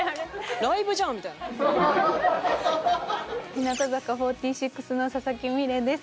日向坂４６の佐々木美玲です。